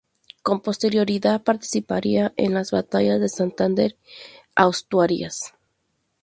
Con posterioridad participaría en las batallas de Santander y Asturias.